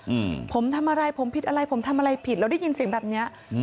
อืมผมทำอะไรผมผิดอะไรผมทำอะไรผิดเราได้ยินเสียงแบบเนี้ยอืม